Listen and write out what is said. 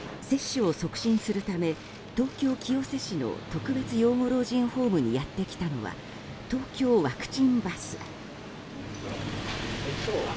接種を促進するため東京・清瀬市の特別養護老人ホームにやってきたのはＴＯＫＹＯワクチンバス。